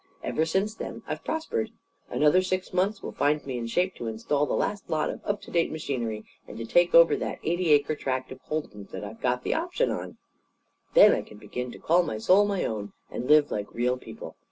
Ever since then I've prospered. Another six months will find me in shape to install the last lot of up to date machinery and to take over that eighty acre tract of Holden's that I've got the option on. Then I can begin to call my soul my own and live like real people.